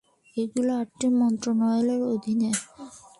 এগুলো আটটি মন্ত্রণালয়ের অধীন।